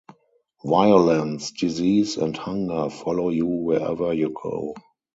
Violence, disease, and hunger follow you wherever you go.